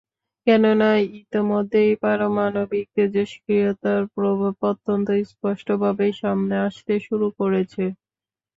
কেননা ইতোমধ্যেই পারমাণবিক তেজস্ক্রিয়তার প্রভাব অত্যন্ত স্পষ্টভাবেই সামনে আসতে শুরু করেছে।